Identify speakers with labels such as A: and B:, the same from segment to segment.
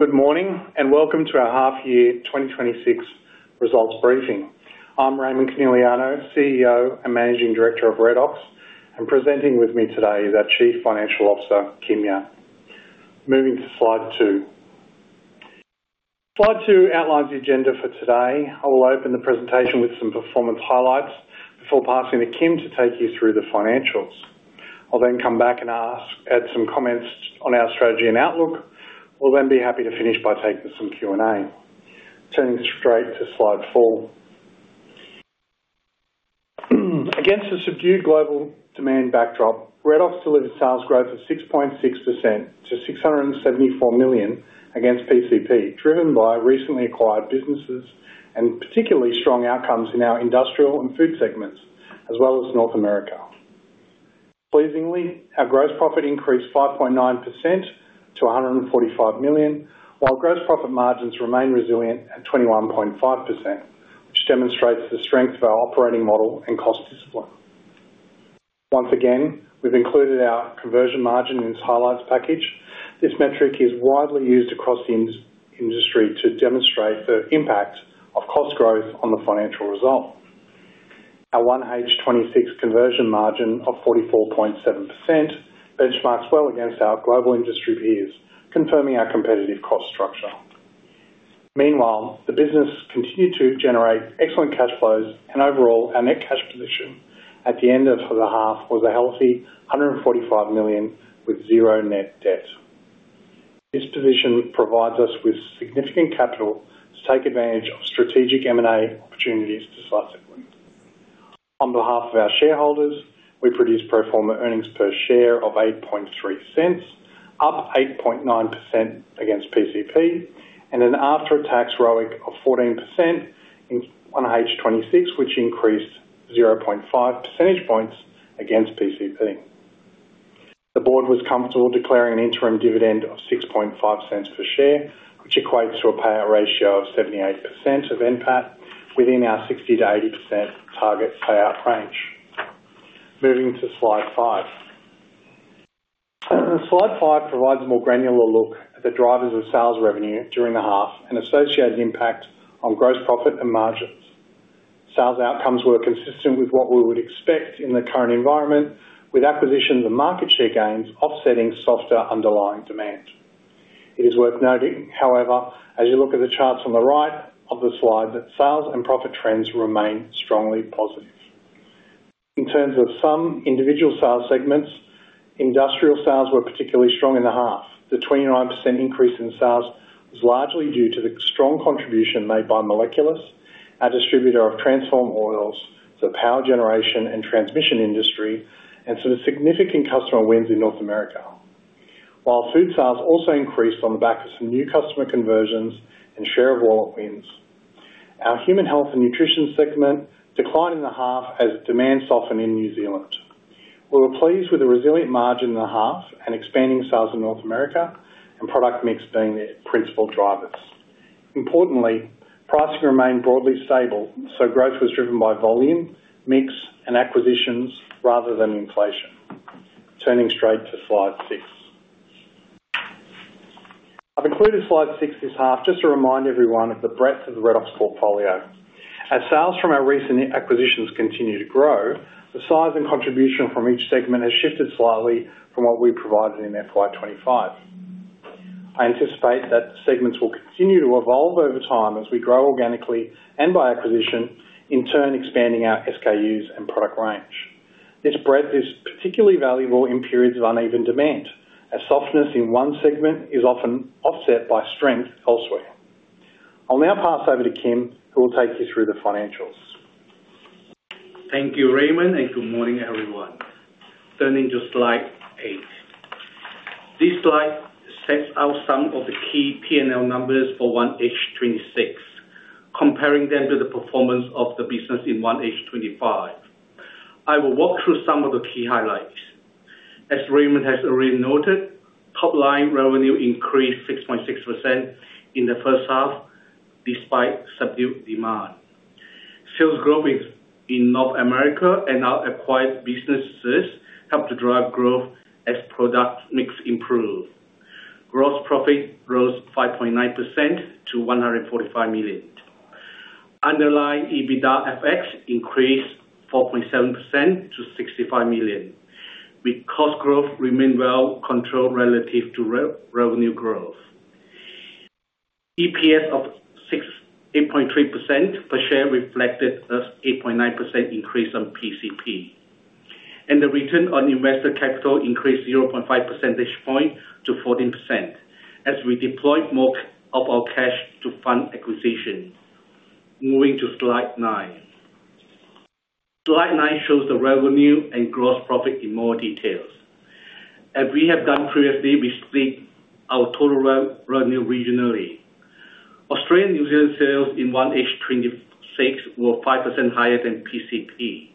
A: Good morning, and welcome to our half year 2026 results briefing. I'm Raimond Coneliano, CEO and Managing Director of Redox, and presenting with me today is our Chief Financial Officer, Kim Yap. Moving to Slide 2. Slide 2 outlines the agenda for today. I will open the presentation with some performance highlights before passing to Kim to take you through the financials. I'll then come back and add some comments on our strategy and outlook. We'll then be happy to finish by taking some Q&A. Turning straight to Slide 4. Against a subdued global demand backdrop, Redox delivered sales growth of 6.6% to 674 million against PCP, driven by recently acquired businesses and particularly strong outcomes in our industrial and food segments, as well as North America. Pleasingly, our gross profit increased 5.9% to 145 million, while gross profit margins remain resilient at 21.5%, which demonstrates the strength of our operating model and cost discipline. Once again, we've included our conversion margin in this highlights package. This metric is widely used across the industry to demonstrate the impact of cost growth on the financial result. Our 1H26 conversion margin of 44.7% benchmarks well against our global industry peers, confirming our competitive cost structure. Meanwhile, the business continued to generate excellent cash flows, and overall, our net cash position at the end of the half was a healthy 145 million, with zero net debt. This position provides us with significant capital to take advantage of strategic M&A opportunities decisively. On behalf of our shareholders, we produced pro forma earnings per share of 0.083, up 8.9% against PCP, and an after-tax ROIC of 14% in, on 1H 2026, which increased 0.5 percentage points against PCP. The board was comfortable declaring an interim dividend of 0.065 per share, which equates to a payout ratio of 78% of NPAT, within our 60%-80% target payout range. Moving to slide five. Slide five provides a more granular look at the drivers of sales revenue during the half and associated impact on gross profit and margins. Sales outcomes were consistent with what we would expect in the current environment, with acquisitions and market share gains offsetting softer underlying demand. It is worth noting, however, as you look at the charts on the right of the slide, that sales and profit trends remain strongly positive. In terms of some individual sales segments, industrial sales were particularly strong in the half. The 29% increase in sales was largely due to the strong contribution made by Molekulis, our distributor of transformer oils, the power generation and transmission industry, and some significant customer wins in North America. While food sales also increased on the back of some new customer conversions and share of wallet wins, our human health and nutrition segment declined in the half as demand softened in New Zealand. We were pleased with the resilient margin in the half and expanding sales in North America and product mix being the principal drivers. Importantly, pricing remained broadly stable, so growth was driven by volume, mix, and acquisitions rather than inflation. Turning straight to Slide 6. I've included Slide 6 this half just to remind everyone of the breadth of the Redox portfolio. As sales from our recent acquisitions continue to grow, the size and contribution from each segment has shifted slightly from what we provided in FY 2025. I anticipate that segments will continue to evolve over time as we grow organically and by acquisition, in turn, expanding our SKUs and product range. This breadth is particularly valuable in periods of uneven demand, as softness in one segment is often offset by strength elsewhere. I'll now pass over to Kim, who will take you through the financials.
B: Thank you, Raimond, and good morning, everyone. Turning to Slide 8. This slide sets out some of the key P&L numbers for 1H 2026, comparing them to the performance of the business in 1H 2025. I will walk through some of the key highlights. As Raimond has already noted, top-line revenue increased 6.6% in the first half, despite subdued demand. Sales growth in North America and our acquired businesses helped to drive growth as product mix improved. Gross profit rose 5.9% to 145 million. Underlying EBITDA FX increased 4.7% to 65 million, with cost growth remaining well controlled relative to revenue growth. EPS of 6.83 cents per share reflected an 8.9% increase on PCP. The return on invested capital increased 0.5 percentage point to 14% as we deployed more of our cash to fund acquisition. Moving to Slide 9. Slide 9 shows the revenue and gross profit in more details. As we have done previously, we split our total revenue regionally. Australian, New Zealand sales in 1H 2026 were 5% higher than PCP,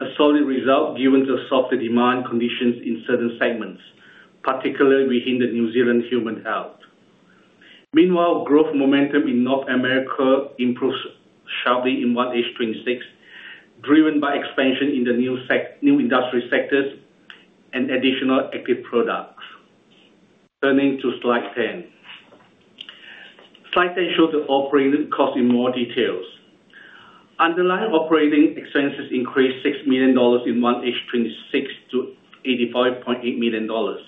B: a solid result given the softer demand conditions in certain segments, particularly within the New Zealand human health. Meanwhile, growth momentum in North America improved sharply in 1H 2026, driven by expansion in the new industry sectors and additional active products. Turning to Slide 10. Slide 10 shows the operating cost in more details. Underlying operating expenses increased 6 million dollars in 1H 2026 to 85.8 million dollars.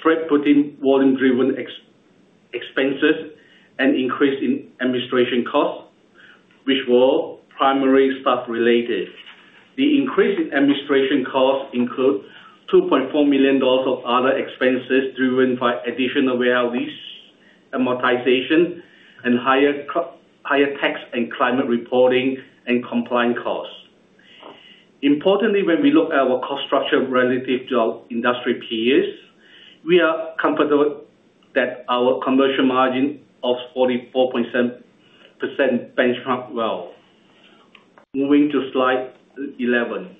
B: Offset by volume-driven expenses and increase in administration costs, which were primarily staff related. The increase in administration costs includes 2.4 million dollars of other expenses driven by additional warehouse lease amortization and higher higher tax and climate reporting and compliance costs. Importantly, when we look at our cost structure relative to our industry peers, we are comfortable that our commercial margin of 44.7% benchmarks well. Moving to slide 11.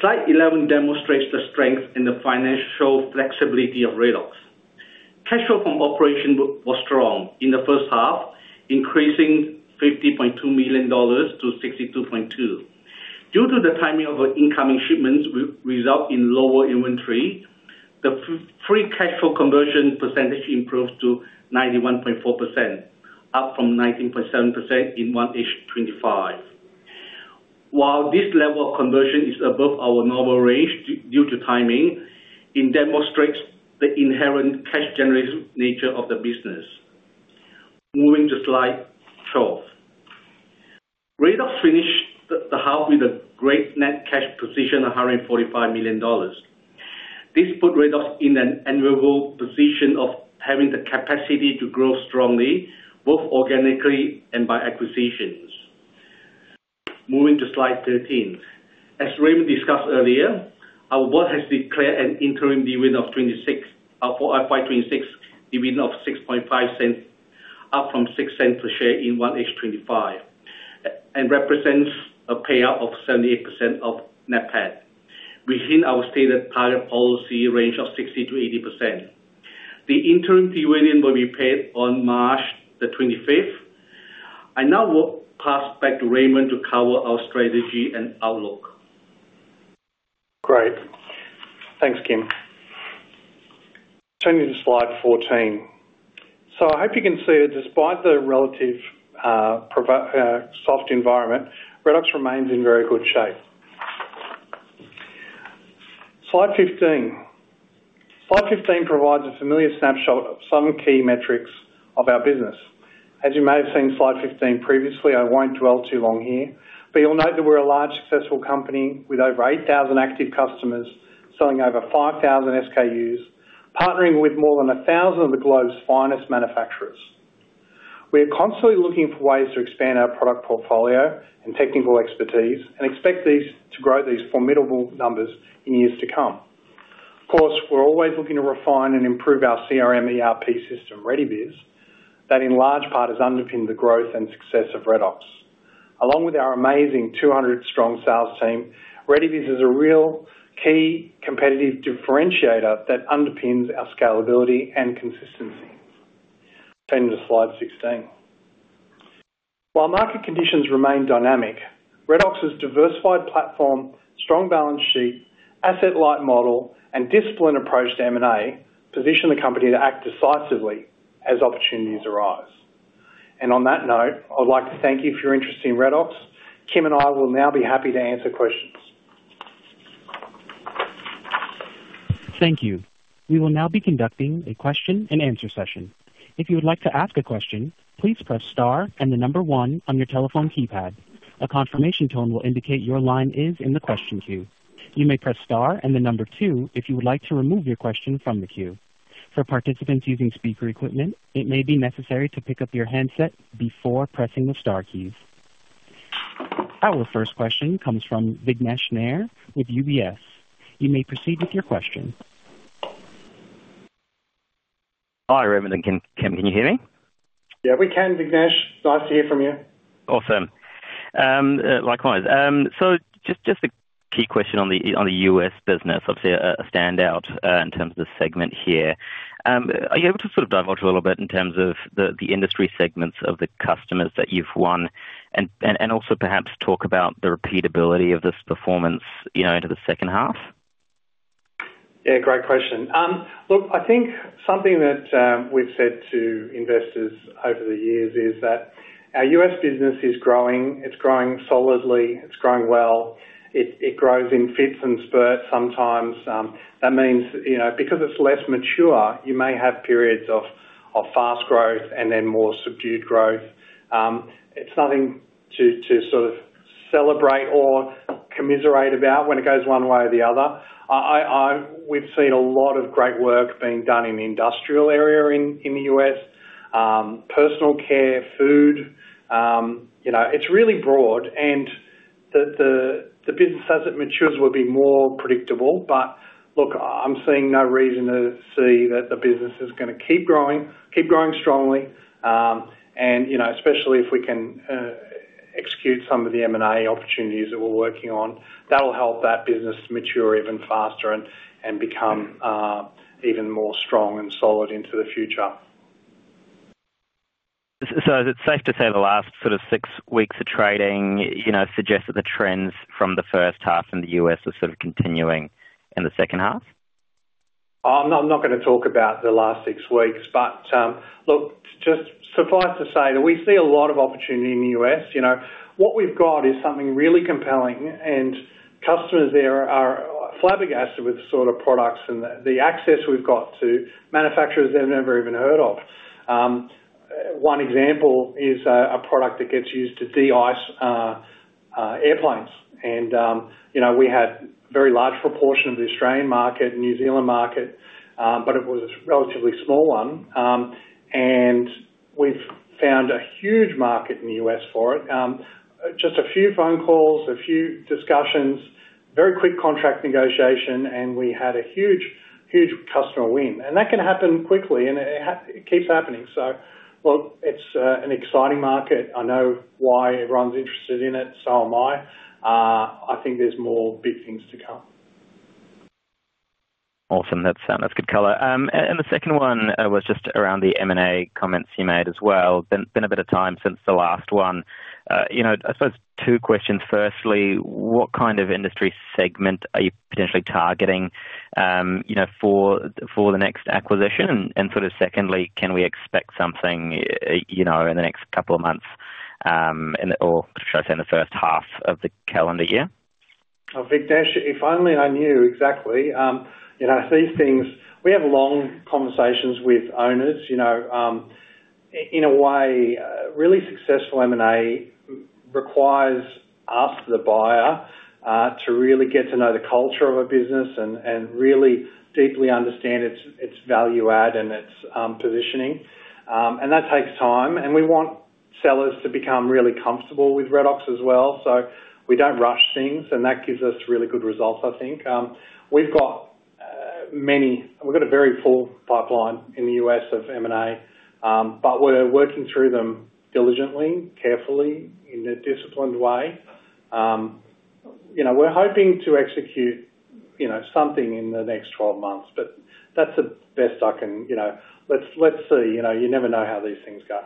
B: Slide 11 demonstrates the strength and the financial flexibility of Redox. Cash flow from operations was strong in the first half, increasing 50.2 million dollars to 62.2 million. Due to the timing of our incoming shipments will result in lower inventory, the free cash flow conversion percentage improves to 91.4%, up from 19.7% in 1H 2025. While this level of conversion is above our normal range due to timing, it demonstrates the inherent cash generation nature of the business. Moving to slide twelve. Redox finished the half with a great net cash position of 145 million dollars. This put Redox in an enviable position of having the capacity to grow strongly, both organically and by acquisitions. Moving to Slide 13. As Raimond discussed earlier, our board has declared an interim dividend of 26, for FY 2026, dividend of AUD 0.065, up from 0.06 per share in 1H 2025, and represents a payout of 78% of NPAT, within our stated target policy range of 60%-80%. The interim dividend will be paid on March the twenty-fifth. I now will pass back to Raimond to cover our strategy and outlook.
A: Great. Thanks, Kim. Turning to Slide 14. So I hope you can see that despite the relative soft environment, Redox remains in very good shape. Slide 15. Slide 15 provides a familiar snapshot of some key metrics of our business. As you may have seen Slide 15 previously, I won't dwell too long here, but you'll note that we're a large, successful company with over 8,000 active customers, selling over 5,000 SKUs, partnering with more than 1,000 of the globe's finest manufacturers. We are constantly looking for ways to expand our product portfolio and technical expertise and expect these to grow these formidable numbers in years to come. Of course, we're always looking to refine and improve our CRM, ERP system, RediBiz. That in large part, has underpinned the growth and success of Redox. Along with our amazing 200-strong sales team, RediBiz is a real key competitive differentiator that underpins our scalability and consistency. Turning to Slide 16. While market conditions remain dynamic, Redox's diversified platform, strong balance sheet, asset light model, and disciplined approach to M&A, position the company to act decisively as opportunities arise. And on that note, I'd like to thank you for your interest in Redox. Kim and I will now be happy to answer questions.
C: Thank you. We will now be conducting a question and answer session. If you would like to ask a question, please press star and the number one on your telephone keypad. A confirmation tone will indicate your line is in the question queue. You may press star and the number two if you would like to remove your question from the queue. For participants using speaker equipment, it may be necessary to pick up your handset before pressing the star keys. Our first question comes from Vignesh Nair with UBS. You may proceed with your question.
D: Hi, Raimond and Kim. Kim, can you hear me?
A: Yeah, we can, Vignesh. Nice to hear from you.
D: Awesome. Likewise. So just a key question on the U.S. business. Obviously a standout in terms of the segment here. Are you able to sort of divulge a little bit in terms of the industry segments of the customers that you've won? And also perhaps talk about the repeatability of this performance, you know, into the second half.
A: Yeah, great question. Look, I think something that we've said to investors over the years is that our U.S. business is growing. It's growing solidly, it's growing well. It grows in fits and spurts sometimes. That means, you know, because it's less mature, you may have periods of fast growth and then more subdued growth. It's nothing to sort of celebrate or commiserate about when it goes one way or the other. I-- we've seen a lot of great work being done in the industrial area in the U.S., personal care, food, you know, it's really broad and the business, as it matures, will be more predictable. Look, I'm seeing no reason to see that the business is gonna keep growing, keep growing strongly. You know, especially if we can execute some of the M&A opportunities that we're working on, that will help that business mature even faster and become even more strong and solid into the future....
D: So is it safe to say the last sort of six weeks of trading, you know, suggests that the trends from the first half in the U.S. are sort of continuing in the second half?
A: I'm not gonna talk about the last six weeks, but look, just suffice to say that we see a lot of opportunity in the U.S. You know, what we've got is something really compelling, and customers there are flabbergasted with the sort of products and the access we've got to manufacturers they've never even heard of. One example is a product that gets used to de-ice airplanes. And you know, we had a very large proportion of the Australian market, New Zealand market, but it was a relatively small one. And we've found a huge market in the U.S. for it. Just a few phone calls, a few discussions, very quick contract negotiation, and we had a huge, huge customer win. And that can happen quickly, and it keeps happening. So look, it's an exciting market. I know why everyone's interested in it, so am I. I think there's more big things to come.
D: Awesome. That's good color. The second one was just around the M&A comments you made as well. Been a bit of time since the last one. You know, I suppose two questions: firstly, what kind of industry segment are you potentially targeting, you know, for the next acquisition? Sort of secondly, can we expect something, you know, in the next couple of months, in the-- or should I say, in the first half of the calendar year?
A: Oh, Vignesh, if only I knew exactly. You know, these things, we have long conversations with owners, you know, in a way, really successful M&A requires us, the buyer, to really get to know the culture of a business and, and really deeply understand its, its Prime Value add and its, positioning. And that takes time, and we want sellers to become really comfortable with Redox as well, so we don't rush things, and that gives us really good results, I think. We've got a very full pipeline in the U.S. of M&A, but we're working through them diligently, carefully, in a disciplined way. You know, we're hoping to execute, you know, something in the next 12 months, but that's the best I can... You know, let's, let's see, you know, you never know how these things go.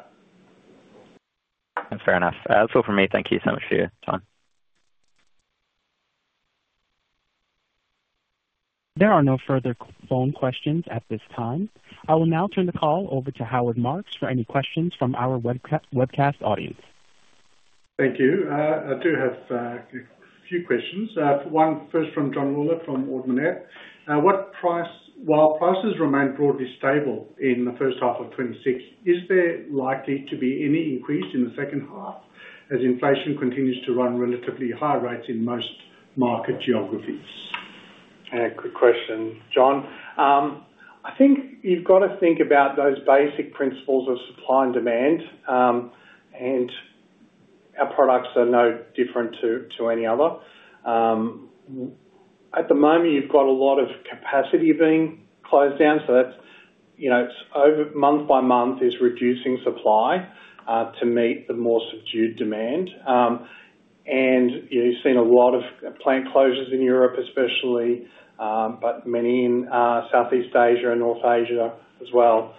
D: That's fair enough. That's all from me. Thank you so much for your time.
C: There are no further phone questions at this time. I will now turn the call over to Howard Marks for any questions from our webcast audience.
E: Thank you. I do have a few questions. One first from James Rose, from Ord Minnett. What price, while prices remain broadly stable in the first half of 2026, is there likely to be any increase in the second half, as inflation continues to run relatively high rates in most market geographies?
A: Good question, John. I think you've got to think about those basic principles of supply and demand, and our products are no different to any other. At the moment, you've got a lot of capacity being closed down, so that's, you know, month by month, is reducing supply to meet the more subdued demand. And you've seen a lot of plant closures in Europe, especially, but many in Southeast Asia and North Asia as well.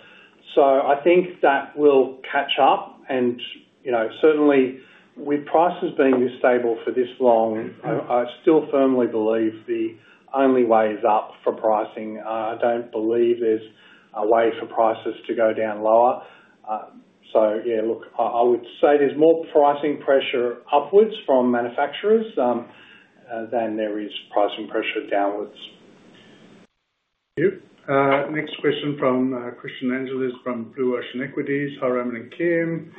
A: So I think that will catch up, and, you know, certainly with prices being stable for this long, I still firmly believe the only way is up for pricing. I don't believe there's a way for prices to go down lower. So yeah, look, I would say there's more pricing pressure upwards from manufacturers than there is pricing pressure downwards.
E: Thank you. Next question from Christian Angelis from Blue Ocean Equities, Hi, Raimond and Kim,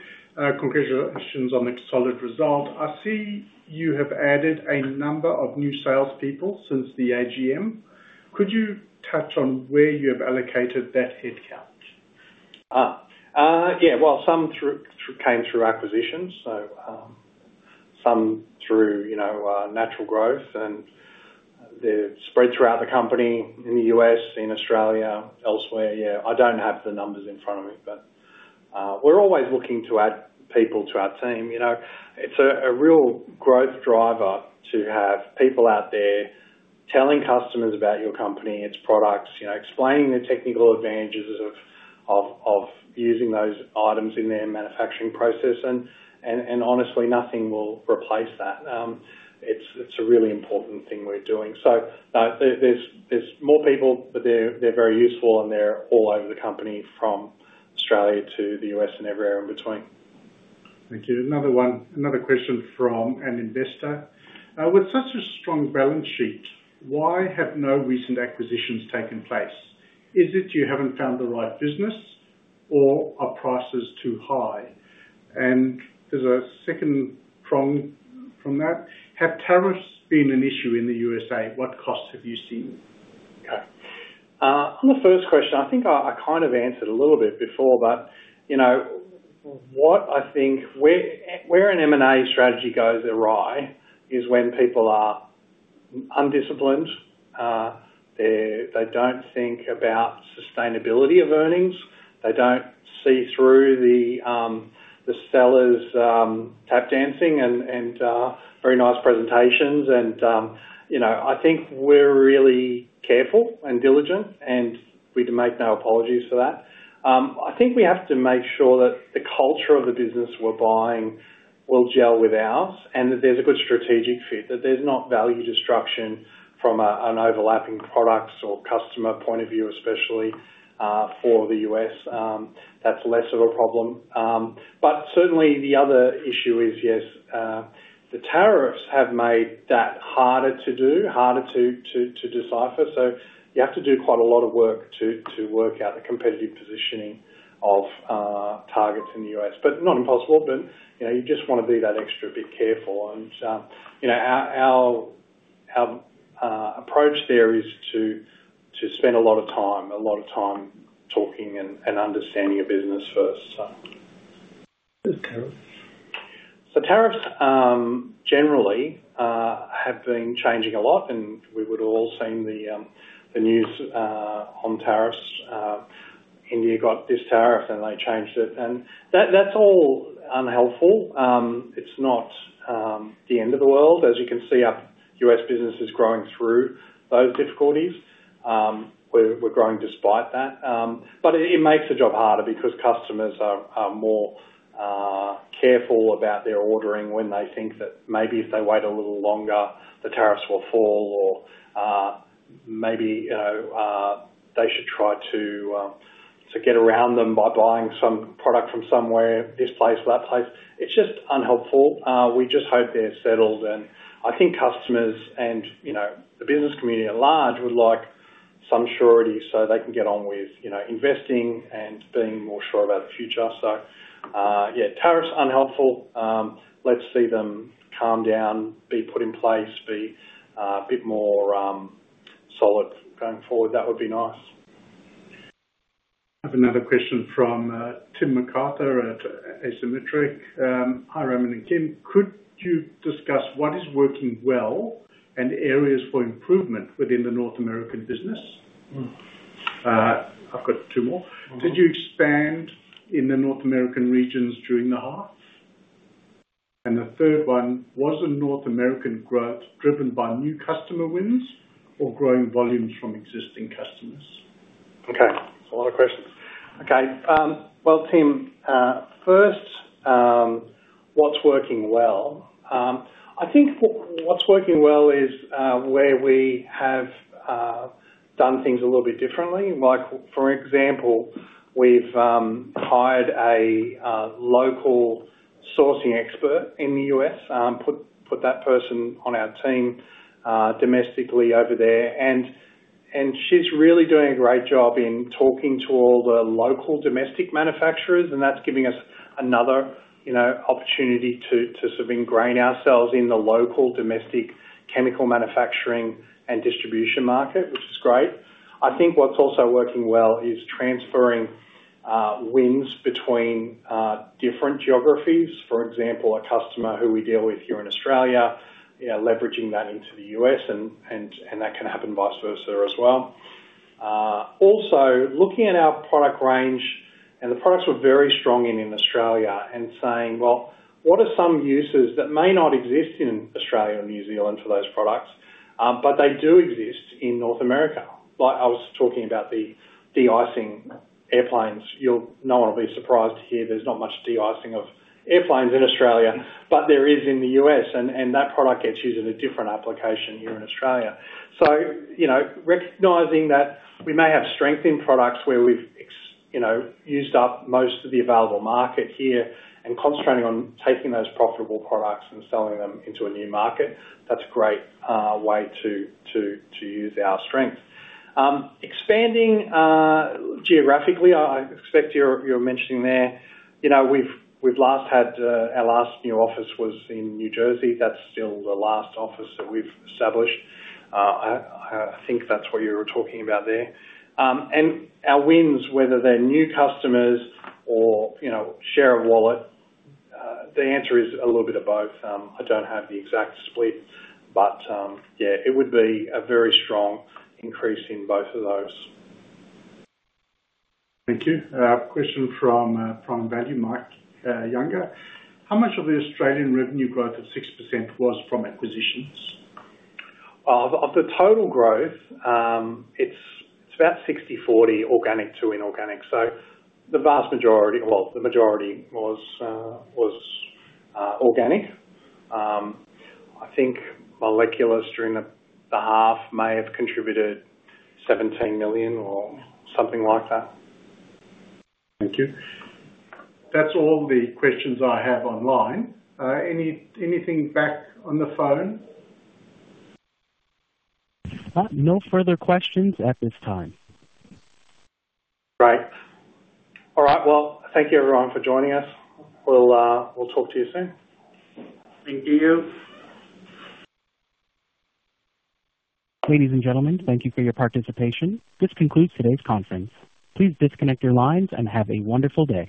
E: congratulations on the solid result. I see you have added a number of new salespeople since the AGM. Could you touch on where you have allocated that headcount?
A: Ah. Yeah, well, some came through acquisitions, some through, you know, natural growth, and they're spread throughout the company in the U.S., in Australia, elsewhere. Yeah, I don't have the numbers in front of me, but we're always looking to add people to our team. You know, it's a real growth driver to have people out there telling customers about your company and its products, you know, explaining the technical advantages of using those items in their manufacturing process, and honestly, nothing will replace that. It's a really important thing we're doing. There are more people, but they're very useful, and they're all over the company, from Australia to the U.S. and everywhere in between.
E: Thank you. Another question from an investor: With such a strong balance sheet, why have no recent acquisitions taken place? Is it you haven't found the right business, or are prices too high? And there's a second prong from that: Have tariffs been an issue in the USA? What costs have you seen?
A: Okay. On the first question, I think I kind of answered a little bit before, but you know, what I think where an M&A strategy goes awry is when people are undisciplined. They don't think about sustainability of earnings. They don't see through the sellers tap dancing and very nice presentations. And you know, I think we're really careful and diligent, and we make no apologies for that. I think we have to make sure that the culture of the business we're buying will gel with ours, and that there's a good strategic fit, that there's not value destruction from an overlapping products or customer point of view, especially for the U.S. That's less of a problem. But certainly, the other issue is, yes, the tariffs have made that harder to do, harder to decipher. So you have to do quite a lot of work to work out the competitive positioning of targets in the U.S. But not impossible, but, you know, you just want to be that extra bit careful. And, you know, our approach there is to spend a lot of time, a lot of time talking and understanding a business first, so.
E: And tariffs?
A: The tariffs, generally, have been changing a lot, and we've all seen the news on tariffs. India got this tariff, and they changed it, and that's all unhelpful. It's not the end of the world. As you can see, our U.S. business is growing through those difficulties. We're growing despite that. But it makes the job harder because customers are more careful about their ordering when they think that maybe if they wait a little longer, the tariffs will fall, or maybe, you know, they should try to get around them by buying some product from somewhere, this place, that place. It's just unhelpful. We just hope they're settled, and I think customers and, you know, the business community at large would like some surety so they can get on with, you know, investing and being more sure about the future. So, yeah, tariffs, unhelpful. Let's see them calm down, be put in place, be, a bit more, solid going forward. That would be nice.
E: I have another question from Tim McArthur at Asymmetry. Hi, Raimond and Kim. Could you discuss what is working well and areas for improvement within the North American business?
A: Mm.
E: I've got two more.
A: Uh-huh.
E: Did you expand in the North American regions during the half? And the third one: Was the North American growth driven by new customer wins or growing volumes from existing customers?
A: Okay, a lot of questions. Okay, well, Tim, first, what's working well? I think what's working well is where we have done things a little bit differently. Like, for example, we've hired a local sourcing expert in the U.S. Put that person on our team domestically over there, and she's really doing a great job in talking to all the local domestic manufacturers, and that's giving us another, you know, opportunity to sort of ingrain ourselves in the local domestic chemical manufacturing and distribution market, which is great. I think what's also working well is transferring wins between different geographies. For example, a customer who we deal with here in Australia, you know, leveraging that into the U.S., and that can happen vice versa as well. Also, looking at our product range, and the products we're very strong in, in Australia, and saying, "Well, what are some uses that may not exist in Australia and New Zealand for those products, but they do exist in North America?" Like, I was talking about the de-icing airplanes. No one will be surprised to hear there's not much de-icing of airplanes in Australia, but there is in the U.S., and that product gets used in a different application here in Australia. So, you know, recognizing that we may have strength in products where we've you know, used up most of the available market here, and concentrating on taking those profitable products and selling them into a new market, that's a great way to use our strength. Expanding geographically, I expect you're mentioning there, you know, we've last had our last new office was in New Jersey. That's still the last office that we've established. I think that's what you were talking about there. And our wins, whether they're new customers or, you know, share a wallet, the answer is a little bit of both. I don't have the exact split, but yeah, it would be a very strong increase in both of those.
E: Thank you. Question from Value, Mike, Younger: How much of the Australian revenue growth of 6% was from acquisitions?
A: Of the total growth, it's about 60/40 organic to inorganic, so the vast majority... Well, the majority was organic. I think Molekulis during the half may have contributed 17 million or something like that.
E: Thank you. That's all the questions I have online. Anything back on the phone?
C: No further questions at this time.
A: Great. All right. Well, thank you everyone for joining us. We'll, we'll talk to you soon.
E: Thank you.
C: Ladies and gentlemen, thank you for your participation. This concludes today's conference. Please disconnect your lines and have a wonderful day.